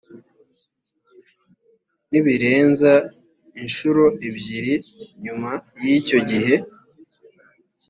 ntibirenza inshuro ebyiri nyuma y’icyo gihe